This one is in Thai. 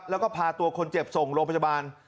แล้วก็พาตัวคนเจ็บส่งโรงพยาบาล